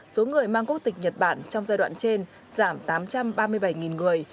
số người mang quốc tịch nhật bản trong giai đoạn trên giảm tám trăm ba mươi bảy người